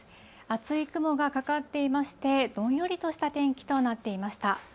厚い雲がかかっていまして、どんよりとした天気となっていました。